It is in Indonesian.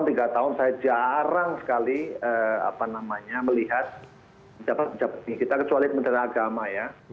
terus selama tiga tahun saya jarang sekali melihat kita kecuali mentera agama ya